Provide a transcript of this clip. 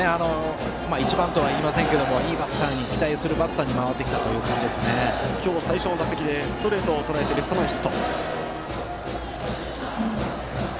一番とは言いませんがいいバッター期待するバッターに今日最初の打席でストレートをとらえてレフト前ヒット。